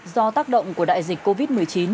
do tác động của đại dịch covid một mươi chín